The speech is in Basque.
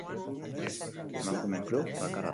Emakumeen klub bakarra da.